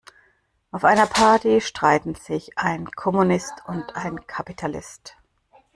Auf einer Party streiten sich ein Kommunist und ein Kapitalist.